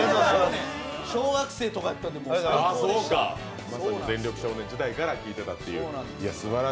小学生とかだったんで、最高でした全力少年時代から聴いていたという。